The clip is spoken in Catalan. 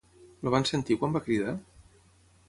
El van sentir quan va cridar?